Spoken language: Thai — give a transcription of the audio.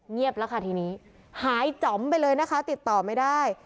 เงียบแล้วค่ะทีนี้หายจ๋อมไปเลยนะคะติดต่อไม่ได้